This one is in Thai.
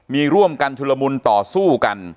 มีร่วมกันชุลมุนต่อสู้กัน